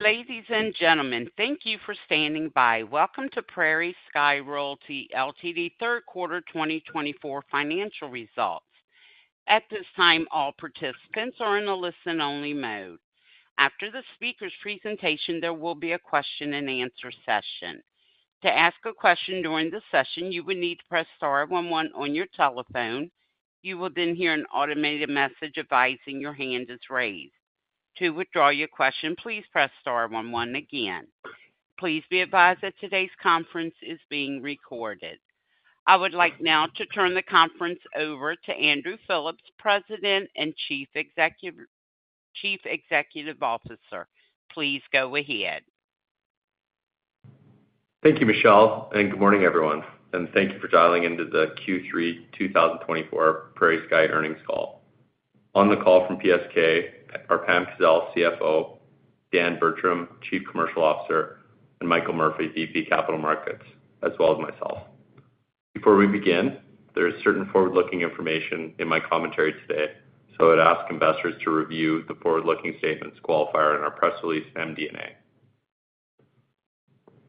Ladies and gentlemen, thank you for standing by. Welcome to PrairieSky Royalty Ltd. Third Quarter 2024 Financial Results. At this time, all participants are in a listen-only mode. After the speaker's presentation, there will be a question-and-answer session. To ask a question during the session, you would need to press star 11 on your telephone. You will then hear an automated message advising your hand is raised. To withdraw your question, please press star 11 again. Please be advised that today's conference is being recorded. I would like now to turn the conference over to Andrew Phillips, President and Chief Executive Officer. Please go ahead. Thank you, Michelle, and good morning, everyone. Thank you for dialing into the Q3 2024 PrairieSky earnings call. On the call from PSK are Pam Kazeil, CFO, Dan Bertram, Chief Commercial Officer, and Michael Murphy, VP, Capital Markets, as well as myself. Before we begin, there is certain forward-looking information in my commentary today, so I'd ask investors to review the forward-looking statements qualifier in our press release MD&A.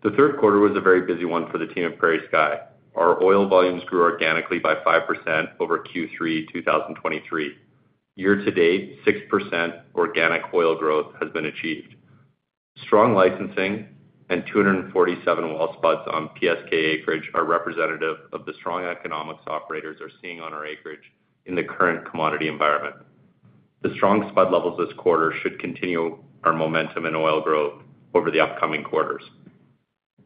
The third quarter was a very busy one for the team at PrairieSky. Our oil volumes grew organically by 5% over Q3 2023. Year to date, 6% organic oil growth has been achieved. Strong licensing and 247 well spuds on PSK acreage are representative of the strong economics operators are seeing on our acreage in the current commodity environment. The strong spud levels this quarter should continue our momentum in oil growth over the upcoming quarters.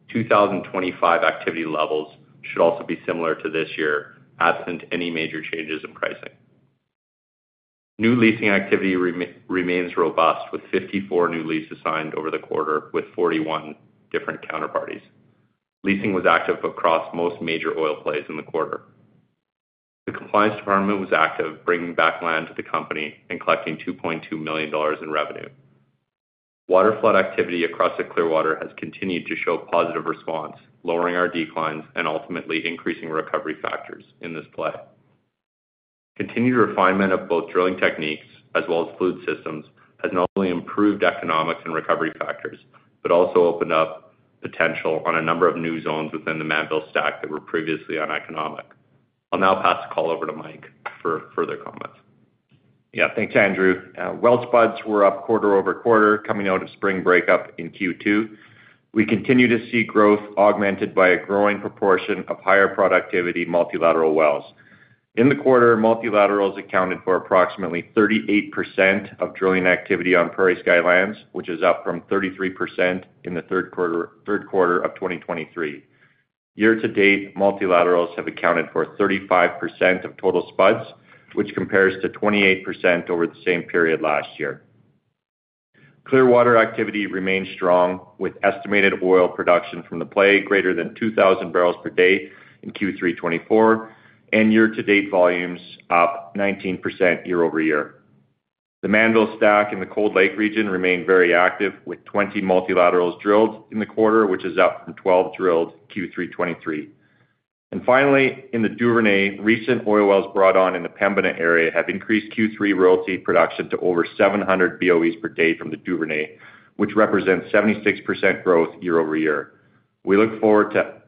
2025 activity levels should also be similar to this year, absent any major changes in pricing. New leasing activity remains robust, with 54 new leases signed over the quarter with 41 different counterparties. Leasing was active across most major oil plays in the quarter. The compliance department was active, bringing back land to the company and collecting 2.2 million dollars in revenue. Waterflood activity across the Clearwater has continued to show positive response, lowering our declines and ultimately increasing recovery factors in this play. Continued refinement of both drilling techniques as well as fluid systems has not only improved economics and recovery factors but also opened up potential on a number of new zones within the Mannville Stack that were previously uneconomic. I'll now pass the call over to Mike for further comments. Yeah, thanks, Andrew. Well, spuds were up quarter-over-quarter coming out of spring breakup in Q2. We continue to see growth augmented by a growing proportion of higher productivity multilateral wells. In the quarter, multilaterals accounted for approximately 38% of drilling activity on PrairieSky lands, which is up from 33% in the third quarter of 2023. Year to date, multilaterals have accounted for 35% of total spuds, which compares to 28% over the same period last year. Clearwater activity remains strong, with estimated oil production from the play greater than 2,000 barrels per day in Q3 2024 and year-to-date volumes up 19% year-over-year. The Mannville Stack in the Cold Lake region remained very active, with 20 multilaterals drilled in the quarter, which is up from 12 drilled Q3 2023. And finally, in the Duvernay, recent oil wells brought on in the Pembina area have increased Q3 royalty production to over 700 BOEs per day from the Duvernay, which represents 76% growth year-over-year. We look forward to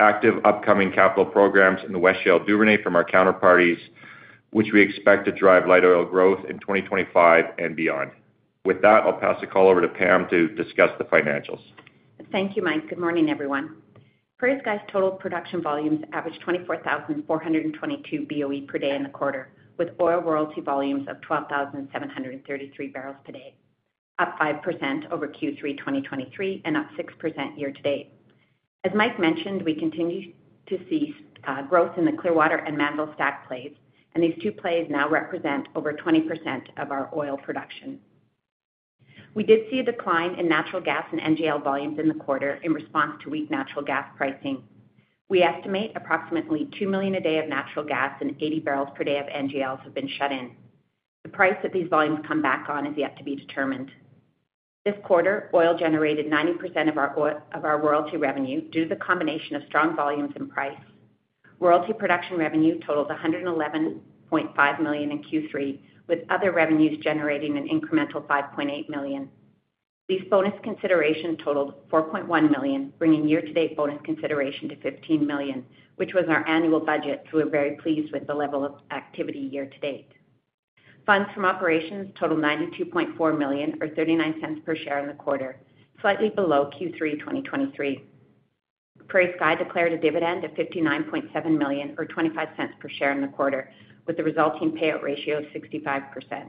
active upcoming capital programs in the West Shale Duvernay from our counterparties, which we expect to drive light oil growth in 2025 and beyond. With that, I'll pass the call over to Pam to discuss the financials. Thank you, Mike. Good morning, everyone. PrairieSky's total production volumes averaged 24,422 BOE per day in the quarter, with oil royalty volumes of 12,733 barrels per day, up 5% over Q3 2023 and up 6% year-to-date. As Mike mentioned, we continue to see growth in the Clearwater and Mannville Stack plays, and these two plays now represent over 20% of our oil production. We did see a decline in natural gas and NGL volumes in the quarter in response to weak natural gas pricing. We estimate approximately two million a day of natural gas and 80 barrels per day of NGLs have been shut in. The price that these volumes come back on is yet to be determined. This quarter, oil generated 90% of our royalty revenue due to the combination of strong volumes and price. Royalty production revenue totaled 111.5 million in Q3, with other revenues generating an incremental 5.8 million. These bonus considerations totaled 4.1 million, bringing year-to-date bonus consideration to 15 million, which was our annual budget, so we're very pleased with the level of activity year-to-date. Funds from operations totaled 92.4 million, or 0.39 per share in the quarter, slightly below Q3 2023. PrairieSky declared a dividend of 59.7 million, or 0.25 per share in the quarter, with the resulting payout ratio of 65%.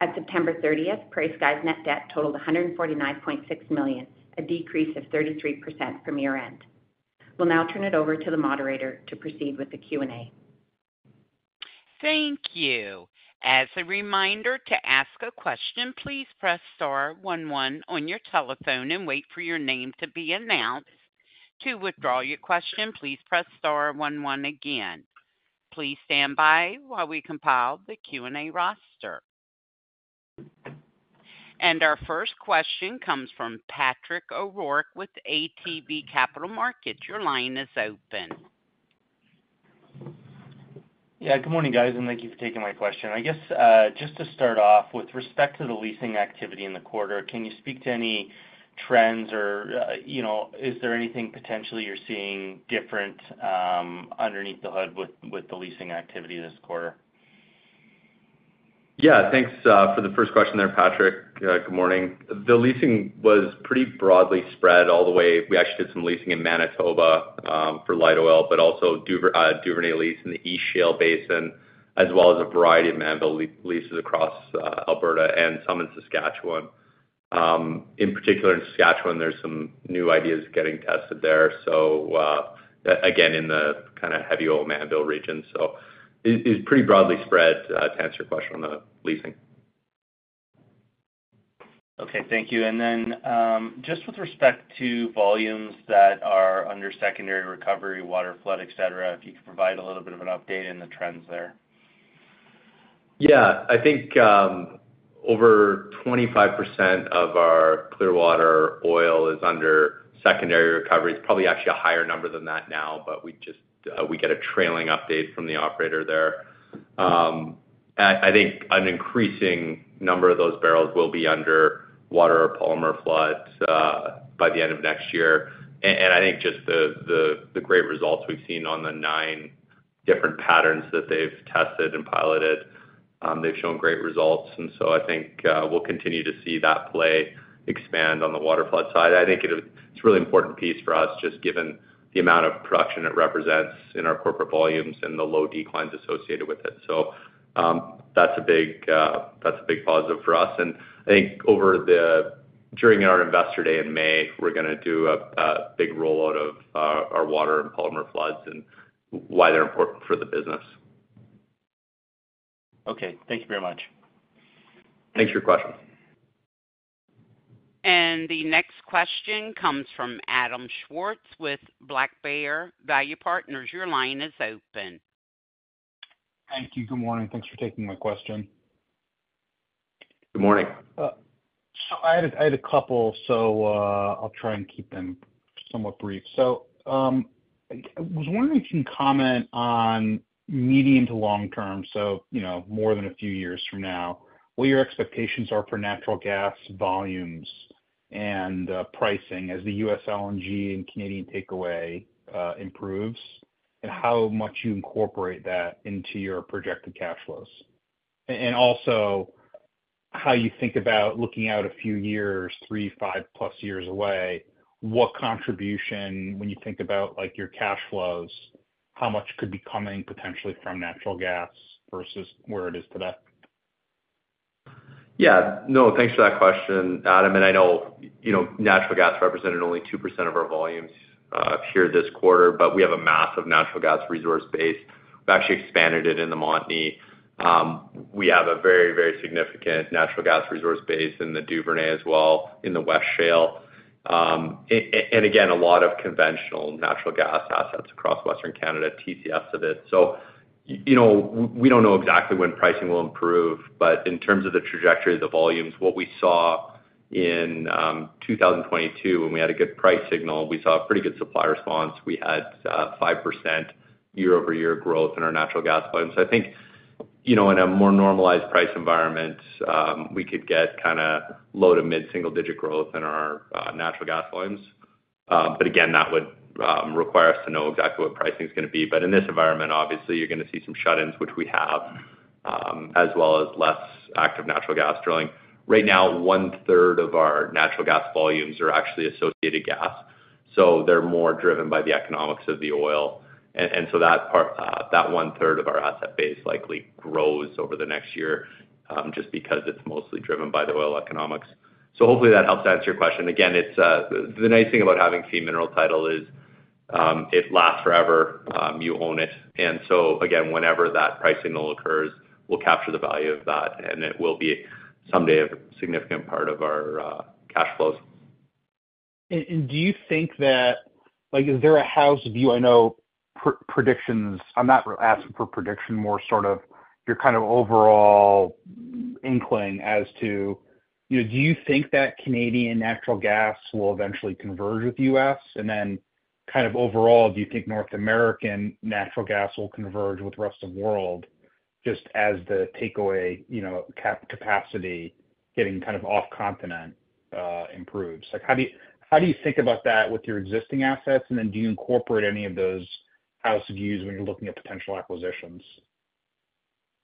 At September 30th, PrairieSky's net debt totaled 149.6 million, a decrease of 33% from year-end. We'll now turn it over to the moderator to proceed with the Q&A. Thank you. As a reminder to ask a question, please press star 11 on your telephone and wait for your name to be announced. To withdraw your question, please press star 11 again. Please stand by while we compile the Q&A roster, and our first question comes from Patrick O'Rourke with ATB Capital Markets. Your line is open. Yeah, good morning, guys, and thank you for taking my question. I guess just to start off, with respect to the leasing activity in the quarter, can you speak to any trends or is there anything potentially you're seeing different underneath the hood with the leasing activity this quarter? Yeah, thanks for the first question there, Patrick. Good morning. The leasing was pretty broadly spread all the way. We actually did some leasing in Manitoba for light oil, but also Duvernay lease in the East Shale Basin, as well as a variety of Mannville leases across Alberta and some in Saskatchewan. In particular, in Saskatchewan, there's some new ideas getting tested there. So again, in the kind of heavy oil Mannville region. So it's pretty broadly spread to answer your question on the leasing. Okay, thank you. And then just with respect to volumes that are under secondary recovery, waterflood, etc., if you could provide a little bit of an update in the trends there. Yeah, I think over 25% of our Clearwater oil is under secondary recovery. It's probably actually a higher number than that now, but we get a trailing update from the operator there. I think an increasing number of those barrels will be under water or polymer floods by the end of next year. And I think just the great results we've seen on the nine different patterns that they've tested and piloted, they've shown great results. And so I think we'll continue to see that play expand on the waterflood side. I think it's a really important piece for us, just given the amount of production it represents in our corporate volumes and the low declines associated with it. So that's a big positive for us. I think during our investor day in May, we're going to do a big rollout of our water and polymer floods and why they're important for the business. Okay, thank you very much. Thanks for your question. And the next question comes from Adam Schwartz with Black Bear Value Partners. Your line is open. Thank you. Good morning. Thanks for taking my question. Good morning. I had a couple, so I'll try and keep them somewhat brief. I was wondering if you can comment on medium- to long-term, so more than a few years from now, what your expectations are for natural gas volumes and pricing as the U.S. LNG and Canadian takeaway improves, and how much you incorporate that into your projected cash flows. Also, how you think about looking out a few years, three, five plus years away, what contribution, when you think about your cash flows, how much could be coming potentially from natural gas versus where it is today? Yeah, no, thanks for that question, Adam. And I know natural gas represented only 2% of our volumes here this quarter, but we have a massive natural gas resource base. We've actually expanded it in the Montney. We have a very, very significant natural gas resource base in the Duvernay as well in the West Shale. And again, a lot of conventional natural gas assets across Western Canada, Tcf of it. So we don't know exactly when pricing will improve, but in terms of the trajectory, the volumes, what we saw in 2022, when we had a good price signal, we saw a pretty good supply response. We had 5% year-over-year growth in our natural gas volumes. So I think in a more normalized price environment, we could get kind of low to mid-single-digit growth in our natural gas volumes. But again, that would require us to know exactly what pricing is going to be. But in this environment, obviously, you're going to see some shut-ins, which we have, as well as less active natural gas drilling. Right now, one-third of our natural gas volumes are actually associated gas. So they're more driven by the economics of the oil. And so that one-third of our asset base likely grows over the next year just because it's mostly driven by the oil economics. So hopefully that helps answer your question. Again, the nice thing about having a mineral title is it lasts forever. You own it. And so again, whenever that pricing will occur, we'll capture the value of that, and it will be someday a significant part of our cash flows. Do you think that is there a house view? I know predictions. I'm not asking for prediction, more sort of your kind of overall inkling as to do you think that Canadian natural gas will eventually converge with the U.S.? And then kind of overall, do you think North American natural gas will converge with the rest of the world just as the takeaway capacity getting kind of off-continent improves? How do you think about that with your existing assets? And then do you incorporate any of those house views when you're looking at potential acquisitions?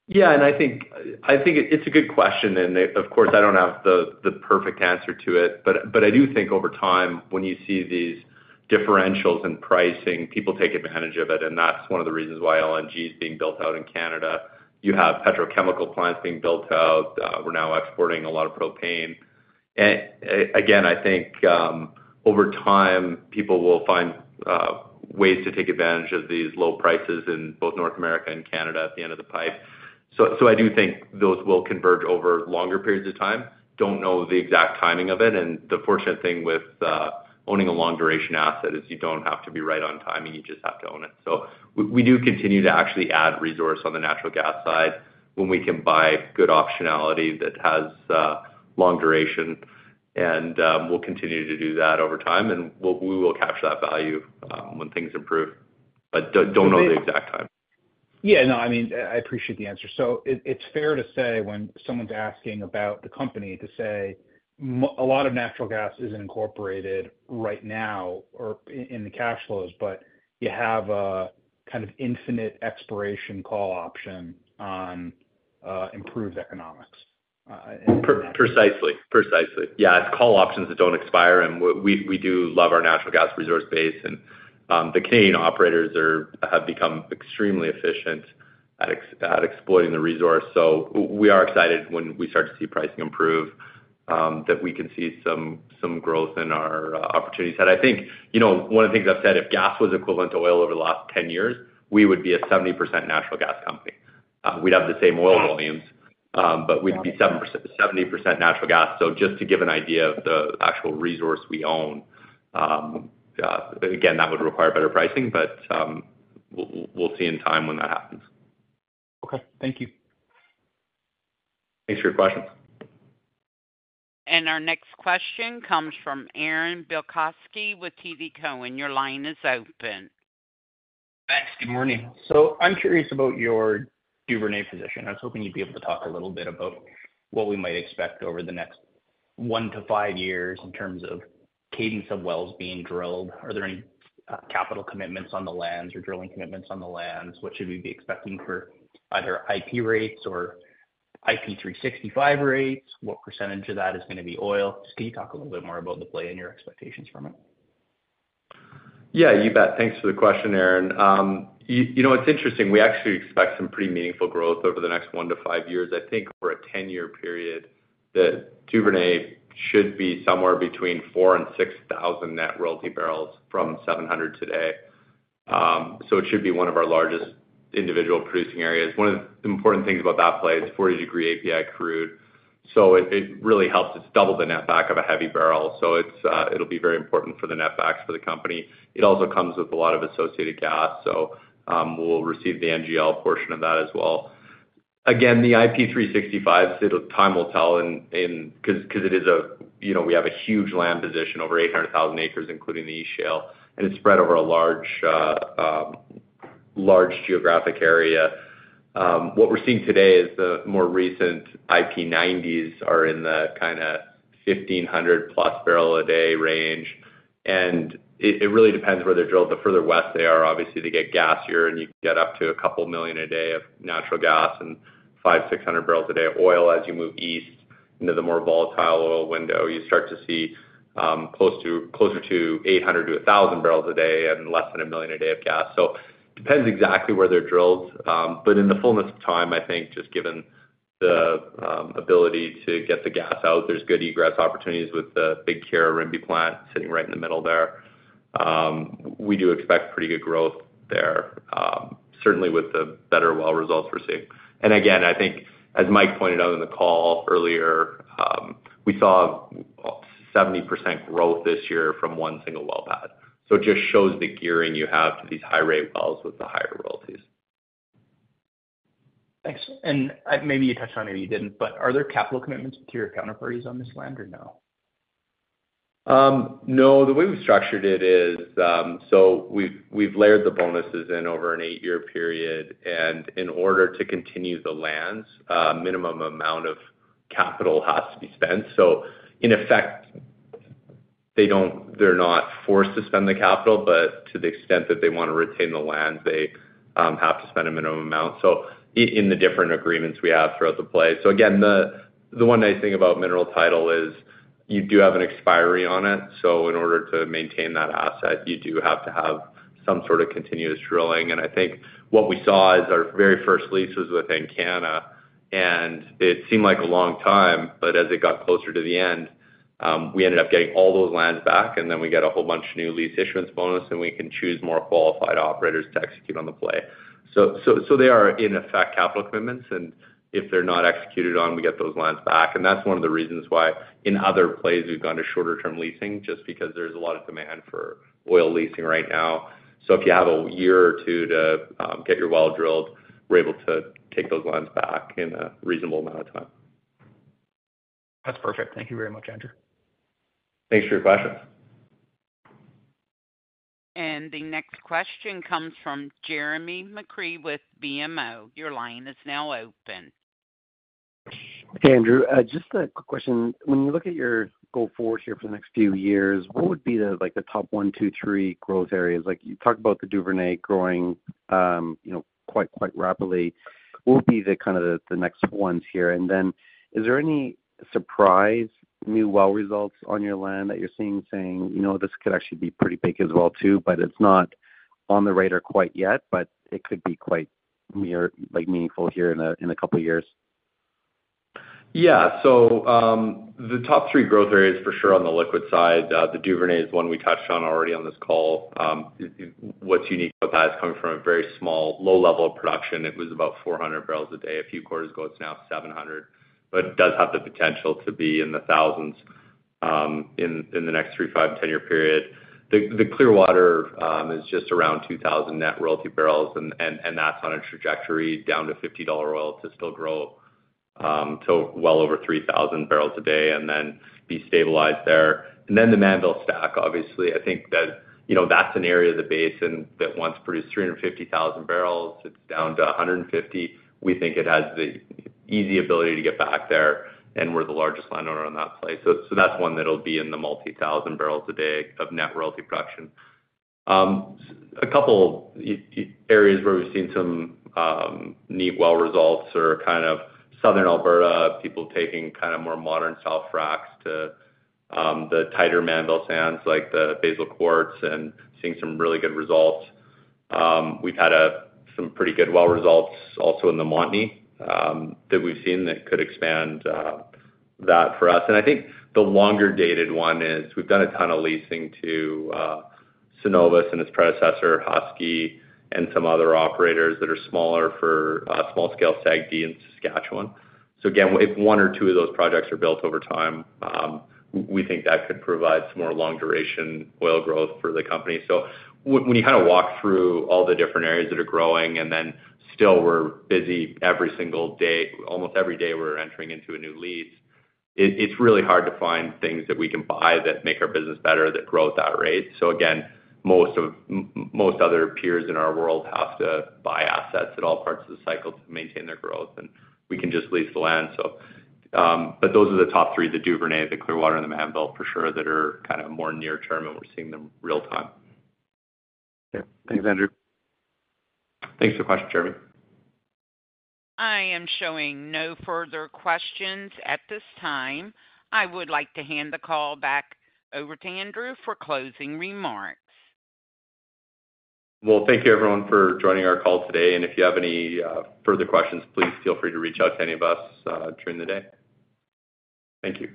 Yeah, and I think it's a good question. And of course, I don't have the perfect answer to it, but I do think over time, when you see these differentials in pricing, people take advantage of it. And that's one of the reasons why LNG is being built out in Canada. You have petrochemical plants being built out. We're now exporting a lot of propane. And again, I think over time, people will find ways to take advantage of these low prices in both North America and Canada at the end of the pipe. So I do think those will converge over longer periods of time. Don't know the exact timing of it. And the fortunate thing with owning a long-duration asset is you don't have to be right on time. You just have to own it. So, we do continue to actually add resource on the natural gas side when we can buy good optionality that has long duration. And we'll continue to do that over time. And we will capture that value when things improve. But don't know the exact time. Yeah, no, I mean, I appreciate the answer. So it's fair to say when someone's asking about the company to say a lot of natural gas isn't incorporated right now in the cash flows, but you have a kind of infinite expiration call option on improved economics. Precisely. Precisely. Yeah, it's call options that don't expire. And we do love our natural gas resource base. And the Canadian operators have become extremely efficient at exploiting the resource. So we are excited when we start to see pricing improve that we can see some growth in our opportunities. And I think one of the things I've said, if gas was equivalent to oil over the last 10 years, we would be a 70% natural gas company. We'd have the same oil volumes, but we'd be 70% natural gas. So just to give an idea of the actual resource we own, again, that would require better pricing, but we'll see in time when that happens. Okay, thank you. Thanks for your questions. And our next question comes from Aaron Bilkoski with TD Cowen. Your line is open. Thanks. Good morning. So I'm curious about your Duvernay position. I was hoping you'd be able to talk a little bit about what we might expect over the next one to five years in terms of cadence of wells being drilled. Are there any capital commitments on the lands or drilling commitments on the lands? What should we be expecting for either IP rates or IP 365 rates? What percentage of that is going to be oil? Just can you talk a little bit more about the play and your expectations from it? Yeah, you bet. Thanks for the question, Aaron. You know what's interesting? We actually expect some pretty meaningful growth over the next one to five years. I think for a 10-year period, the Duvernay should be somewhere between 4,000 and 6,000 net royalty barrels from 700 today. So it should be one of our largest individual producing areas. One of the important things about that play is 40-degree API crude. So it really helps. It's double the netback of a heavy barrel. So it'll be very important for the netback for the company. It also comes with a lot of associated gas. So we'll receive the NGL portion of that as well. Again, the IP 365, time will tell because it is, we have a huge land position, over 800,000 acres, including the East Shale, and it's spread over a large geographic area. What we're seeing today is the more recent IP 90s are in the kind of 1,500-plus barrel a day range. And it really depends where they're drilled. The further west they are, obviously, they get gassier, and you can get up to a couple million a day of natural gas and 5,000-6,000 barrels a day of oil. As you move east into the more volatile oil window, you start to see closer to 800 to 1,000 barrels a day and less than a million a day of gas. So it depends exactly where they're drilled. But in the fullness of time, I think just given the ability to get the gas out, there's good egress opportunities with the big Rimbey plant sitting right in the middle there. We do expect pretty good growth there, certainly with the better well results we're seeing. And again, I think, as Mike pointed out in the call earlier, we saw 70% growth this year from one single well pad. So it just shows the gearing you have to these high-rate wells with the higher royalties. Thanks. And maybe you touched on it, maybe you didn't, but are there capital commitments to your counterparties on this land or no? No, the way we've structured it is so we've layered the bonuses in over an eight-year period. And in order to continue the lands, a minimum amount of capital has to be spent. So in effect, they're not forced to spend the capital, but to the extent that they want to retain the land, they have to spend a minimum amount. So in the different agreements we have throughout the play. So again, the one nice thing about mineral title is you do have an expiry on it. So in order to maintain that asset, you do have to have some sort of continuous drilling. And I think what we saw is our very first lease was with Encana. And it seemed like a long time, but as it got closer to the end, we ended up getting all those lands back, and then we get a whole bunch of new lease issuance bonus, and we can choose more qualified operators to execute on the play. So they are, in effect, capital commitments. And if they're not executed on, we get those lands back. And that's one of the reasons why in other plays, we've gone to shorter-term leasing just because there's a lot of demand for oil leasing right now. So if you have a year or two to get your well drilled, we're able to take those lands back in a reasonable amount of time. That's perfect. Thank you very much, Andrew. Thanks for your questions. The next question comes from Jeremy McCrea with BMO. Your line is now open. Hey, Andrew. Just a quick question. When you look at your goal forward here for the next few years, what would be the top one, two, three growth areas? You talked about the Duvernay growing quite rapidly. What would be kind of the next ones here? And then is there any surprise new well results on your land that you're seeing saying, "This could actually be pretty big as well too, but it's not on the radar quite yet, but it could be quite meaningful here in a couple of years"? Yeah. So the top three growth areas for sure on the liquid side, the Duvernay is one we touched on already on this call. What's unique about that is coming from a very small low-level of production. It was about 400 barrels a day a few quarters ago. It's now 700, but it does have the potential to be in the thousands in the next three, five, 10-year period. The Clearwater is just around 2,000 net royalty barrels, and that's on a trajectory down to 50 dollar oil to still grow to well over 3,000 barrels a day and then be stabilized there. And then the Mannville Stack, obviously, I think that that's an area of the basin that once produced 350,000 barrels, it's down to 150. We think it has the easy ability to get back there, and we're the largest landowner on that place. So that's one that'll be in the multi-thousand barrels a day of net royalty production. A couple of areas where we've seen some neat well results are kind of southern Alberta, people taking kind of more modern style fracts to the tighter Mannville sands like the Basal Quartz and seeing some really good results. We've had some pretty good well results also in the Montney that we've seen that could expand that for us. And I think the longer-dated one is we've done a ton of leasing to Cenovus and its predecessor, Husky, and some other operators that are smaller for small-scale SAGD in Saskatchewan. So again, if one or two of those projects are built over time, we think that could provide some more long-duration oil growth for the company. So when you kind of walk through all the different areas that are growing and then still we're busy every single day, almost every day we're entering into a new lease, it's really hard to find things that we can buy that make our business better that grow at that rate. So again, most other peers in our world have to buy assets at all parts of the cycle to maintain their growth, and we can just lease the land. But those are the top three, the Duvernay, the Clearwater, and the Mannville for sure that are kind of more near-term, and we're seeing them real-time. Yeah. Thanks, Andrew. Thanks for the question, Jeremy. I am showing no further questions at this time. I would like to hand the call back over to Andrew for closing remarks. Thank you, everyone, for joining our call today. If you have any further questions, please feel free to reach out to any of us during the day. Thank you.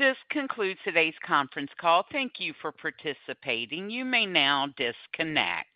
This concludes today's conference call. Thank you for participating. You may now disconnect.